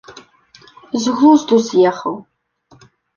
З глузду з ехаў.